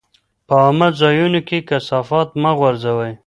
په عامه ځایونو کې کثافات مه غورځوئ.